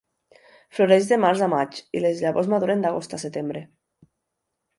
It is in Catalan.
Floreix de març a maig i les llavors maduren d'agost a setembre.